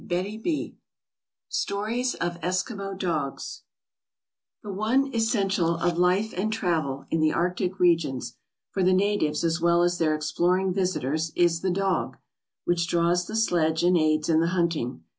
MISCELLANEOUS Stories of Eskimo Dogs THE one essential of life and travel in the arctic regions, for the natives as well as their exploring visitors is the dog, which draws the sledge and aids in the hunting.